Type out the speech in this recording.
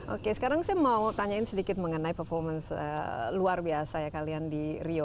oke sekarang saya mau tanyain sedikit mengenai performance luar biasa ya kalian di rio